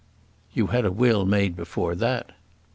"You had a will made before that."